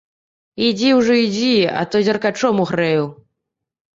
Ідзі ўжо, ідзі, а то дзеркачом угрэю.